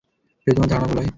যদি তোমার ধারণা ভুল হয়?